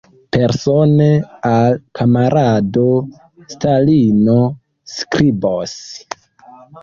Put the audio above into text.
Persone al kamarado Stalino skribos.